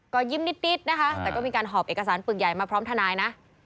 ก็ยิ้มนิดนะคะแต่ก็มีการหอบเอกสารปึกใหญ่มาพร้อมทนายนะ